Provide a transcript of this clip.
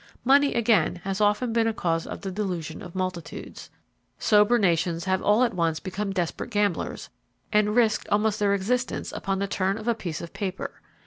Money, again, has often been a cause of the delusion of multitudes. Sober nations have all at once become desperate gamblers, and risked almost their existence upon the turn of a piece of paper.